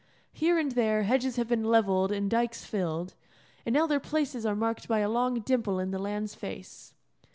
Here and there hedges have been levelled and dykes filled, and now their places are marked by a long dimple in the land's face.